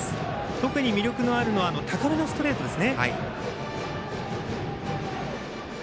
特に魅力があるのは高めのストレートです。